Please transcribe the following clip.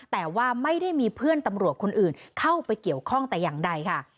แต่ว่าไม่ได้มีเพื่อนตำรวจคนอื่นเข้าไปเกี่ยวข้องแต่อย่างใดค่ะ